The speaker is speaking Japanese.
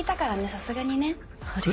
さすがにね。あるよ。